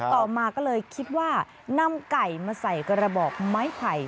ต่อมาก็เลยคิดว่านำไก่มาใส่กระบอกไม้ไผ่